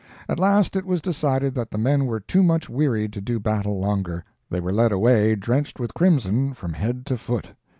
At last it was decided that the men were too much wearied to do battle longer. They were led away drenched with crimson from head to foot.